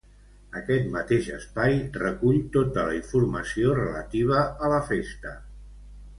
Aquest mateix espai recull tota la informació relativa a la festa